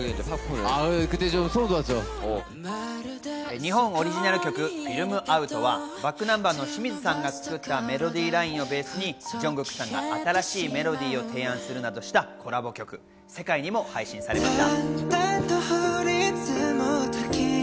日本オリジナル曲、『Ｆｉｌｍｏｕｔ』は、ｂａｃｋｎｕｍｂｅｒの清水さんが作ったメロディーラインをベースにジョングクさんが新しいメロディーを提案するなどしたコラボ曲、世界にも配信されました。